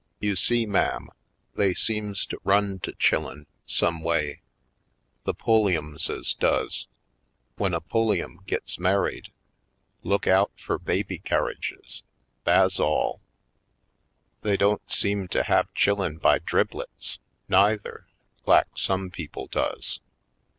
You see, ma'am, they seems to run to chillen, someway, the Pulliamses does. When a Pulliam gits married, look out fur baby carriages, tha's all. They don't seem to have chillen by driblets, neither, lak some people does.